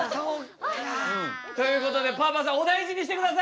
ということでパーパーさんお大事にしてください。